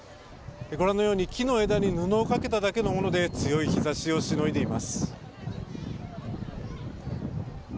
ご覧のように、木の枝に布をかけただけのもので強い日ざしをしのいでいます。